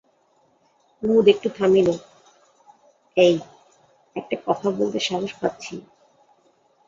কুমুদ একটু থামিল, এই, একটা কথা বলতে সাহস পাচ্ছি।